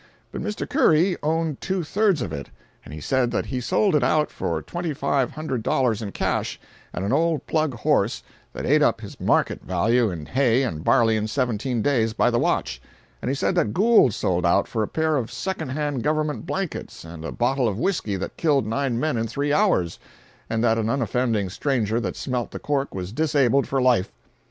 Mr. Curry owned two thirds of it—and he said that he sold it out for twenty five hundred dollars in cash, and an old plug horse that ate up his market value in hay and barley in seventeen days by the watch. And he said that Gould sold out for a pair of second hand government blankets and a bottle of whisky that killed nine men in three hours, and that an unoffending stranger that smelt the cork was disabled for life.